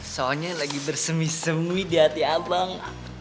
soalnya lagi bersemi semi di hati allah